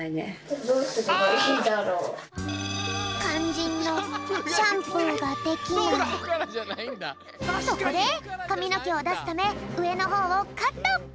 かんじんのそこでかみのけをだすためうえのほうをカット！